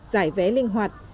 giải vé linh hoạt